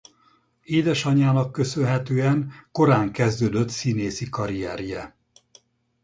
Édesanyjának köszönhetően korán kezdődött színészi karrierje.